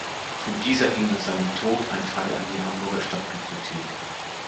Von dieser ging nach seinem Tod ein Teil an die Hamburger Stadtbibliothek.